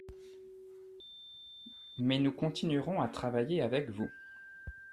Mais nous continuerons à travailler avec vous.